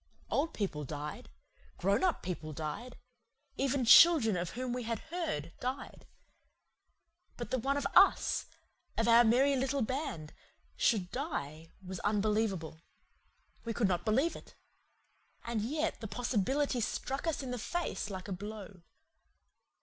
Old people died. Grown up people died. Even children of whom we had heard died. But that one of US of our merry little band should die was unbelievable. We could not believe it. And yet the possibility struck us in the face like a blow.